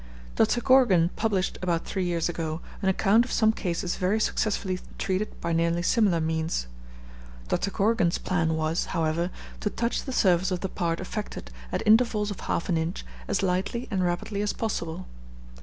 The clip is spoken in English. Dr. Corrigan published, about three years ago, an account of some cases very successfully treated by nearly similar means. Dr. Corrigan's plan was, however, to touch the surface of the part affected, at intervals of half an inch, as lightly and rapidly as possible.